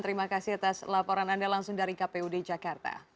terima kasih atas laporan anda langsung dari kpud jakarta